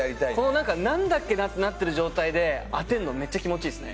なんかなんだっけな？ってなってる状態で当てるのめっちゃ気持ちいいですね。